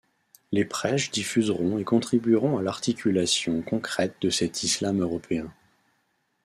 Les prêches diffuseront et contribueront à l’articulation concrète de cet islam européen.